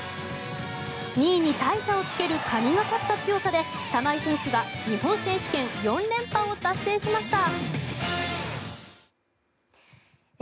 ２位に大差をつける神がかった強さで玉井選手が日本選手権４連覇を達成しました。